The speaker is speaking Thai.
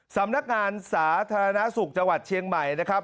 สำนักงานสาธารณสุขจังหวัดเชียงใหม่นะครับ